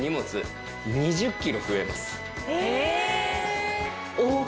え！